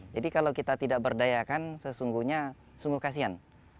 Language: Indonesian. jadi kalau kita tidak berdayakan sesungguhnya sungguh kasian